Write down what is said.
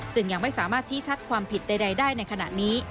ยังไม่สามารถชี้ชัดความผิดใดได้ในขณะนี้